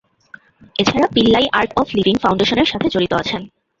এছাড়া Pillai Art of Living ফাউন্ডেশনের সাথে জড়িত আছেন।